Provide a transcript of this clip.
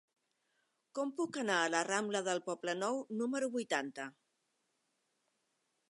Com puc anar a la rambla del Poblenou número vuitanta?